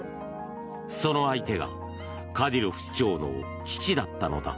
その相手が、カディロフ首長の父だったのだ。